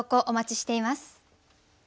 お待ちしています。